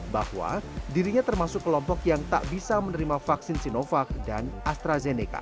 bahwa dirinya termasuk kelompok yang tak bisa menerima vaksin sinovac dan astrazeneca